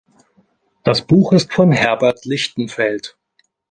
Das Buch ist von Herbert Lichtenfeld.